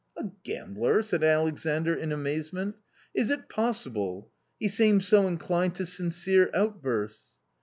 " A gambler !" said Alexandr in amazement, " is it possible ? He seems so inclined to sincere outbursts."